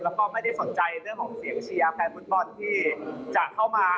แล้วก็ไม่ได้สนใจเรื่องของเสียงเชียร์แฟนฟุตบอลที่จะเข้ามา